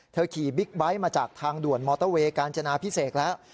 ขี่บิ๊กไบท์มาจากทางด่วนมอเตอร์เวย์กาญจนาพิเศษแล้ว